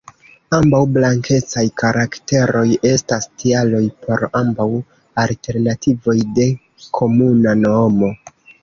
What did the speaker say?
Ambaŭ blankecaj karakteroj estas tialoj por ambaŭ alternativoj de komuna nomo.